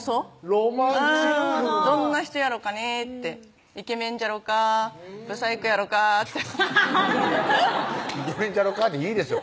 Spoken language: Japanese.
ロマンチックどんな人やろかねってイケメンじゃろか不細工やろかってハハハハッ「イケメンじゃろか」でいいですよ